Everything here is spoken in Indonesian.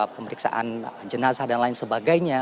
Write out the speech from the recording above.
pemeriksaan jenazah dan lain sebagainya